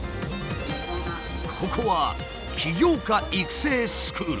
ここは起業家育成スクール。